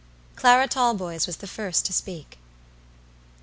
Clara Talboys was the first to speak.